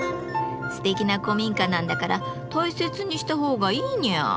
すてきな古民家なんだから大切にしたほうがいいニャー。